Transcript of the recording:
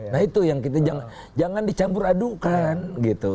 nah itu yang kita jangan dicampur adukan gitu